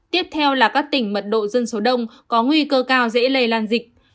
tiếp theo là các tỉnh mật độ dân số đông có nguy cơ cao dễ lây lan dịch